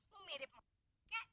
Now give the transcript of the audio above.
mau mirip kek